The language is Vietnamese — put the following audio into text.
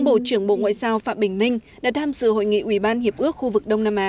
bộ trưởng bộ ngoại giao phạm bình minh đã tham sự hội nghị ủy ban hiệp ước khu vực đông nam á